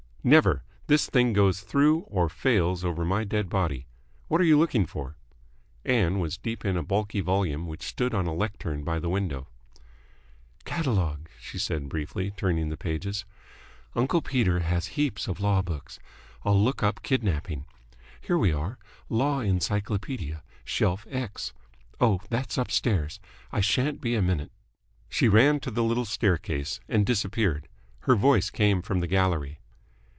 "Never. This thing goes through, or fails over my dead body. What are you looking for?" Ann was deep in a bulky volume which stood on a lectern by the window. "Catalogue," she said briefly, turning the pages. "Uncle Peter has heaps of law books. I'll look up kidnapping. Here we are. Law Encyclopedia. Shelf X. Oh, that's upstairs. I shan't be a minute." She ran to the little staircase, and disappeared. Her voice came from the gallery.